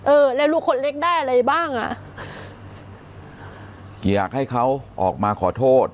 เออแล้วลูกคนเล็กได้อะไรบ้างอ่ะอยากให้เขาออกมาขอโทษ